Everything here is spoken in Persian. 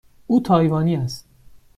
او تایوانی است.